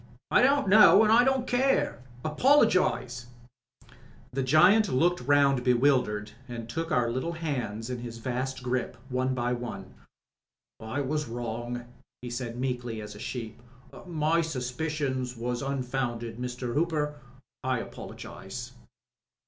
"I don't know an' I don't care. Apologise I" The giant looked round bewildered and took our little hands into his vast grip, one by one. "I was wrong," he said meekly as a sheep. "My suspicions was unfounded. Mr. Hooper, I apologise."